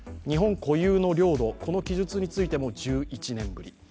日本固有の領土、この記述についても１１年ぶり。